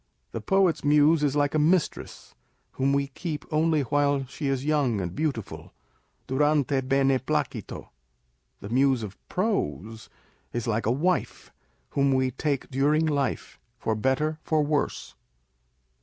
The poet's Muse is like a mistress, whom we keep only while she is young and beautiful, durante bene jjlacito ; the Muse of prose is like a wife, whom we take during life, for better for worse.